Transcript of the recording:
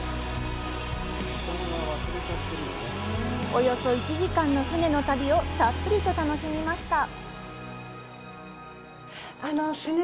およそ１時間の船の旅をたっぷりと楽しみました。